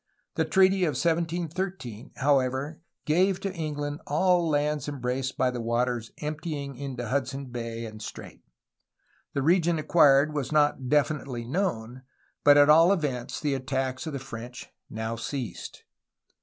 The treaty of 1713, however, gave to England all lands em braced by the waters emptying into Hudson Bay and Strait. The region acquired was not definitely known, but at all events the attacks of the French now ceased.